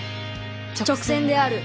直線である